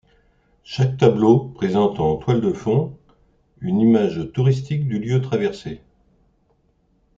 Chaque tableau présente en toile de fond une image touristique du lieu traversé.